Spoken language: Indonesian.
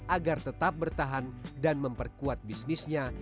agar tetap bertahan dan memperkuat bisnisnya